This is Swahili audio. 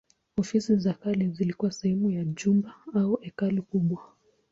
Ofisi za kale zilikuwa sehemu ya jumba au hekalu kubwa.